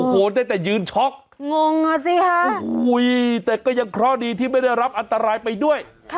โอ้โหได้แต่ยืนช็อกงงอ่ะสิค่ะแต่ก็ยังเคราะห์ดีที่ไม่ได้รับอันตรายไปด้วย